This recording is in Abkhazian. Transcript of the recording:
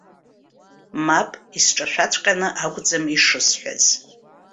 Мап, исҿашәаҵәҟьаны акәӡам ишысҳәаз.